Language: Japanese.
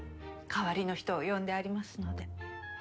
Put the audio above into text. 代わりの人を呼んでありますので。